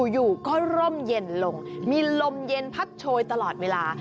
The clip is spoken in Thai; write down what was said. อยู่ก็ร่มเย็นลงมีลมเย็นพัดโชยตลอดเวลา